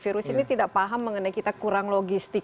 virus ini tidak paham mengenai kita kurang logistik